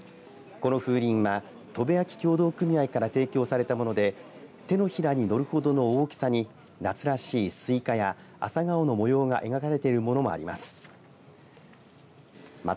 この風鈴は砥部焼協同組合から提供されたもので手のひらに載るほどの大きさに夏らしいスイカや朝顔の模様が描かれているものもあります。